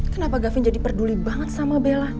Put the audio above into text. kenapa gavin jadi peduli banget sama bella